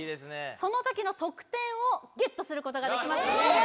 その時の得点をゲットすることができますえー！